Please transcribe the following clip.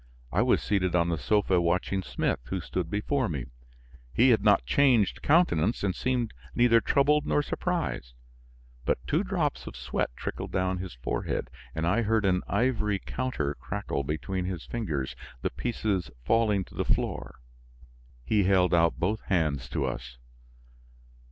I was seated on the sofa watching Smith, who stood before me. He had not changed countenance and seemed neither troubled nor surprised; but two drops of sweat trickled down his forehead, and I heard an ivory counter crackle between his fingers, the pieces falling to the floor. He held out both hands to us.